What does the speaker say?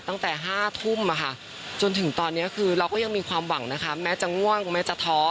ตั้งแต่๕ทุ่มจนถึงตอนนี้คือเราก็ยังมีความหวังนะคะแม้จะง่วงแม้จะท้อ